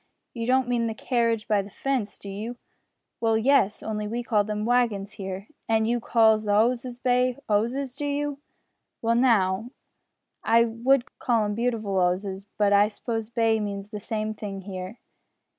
"You don't mean the carridge by the fence, do you?" "Well, yes, only we call them wagons here." "An' you calls the 'osses bay 'osses, do you?" "Well now, I would call 'em beautiful 'osses, but I suppose bay means the same thing here.